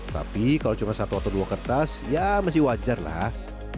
tapi kalau cuma satu atau dua kertas ya masih wajar lah